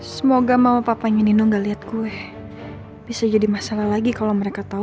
semoga mama papanya nino nggak liat gue bisa jadi masalah lagi kalau mereka tahu